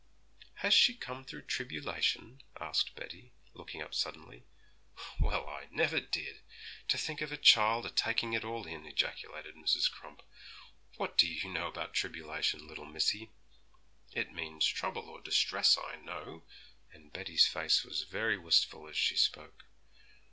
'Has she come through tribulation?' asked Betty, looking up suddenly. 'Well, I never did! To think of that child a taking it all in!' ejaculated Mrs. Crump. 'What do you know about tribulation, little missy?' 'It means trouble or distress, I know;' and Betty's face was very wistful as she spoke.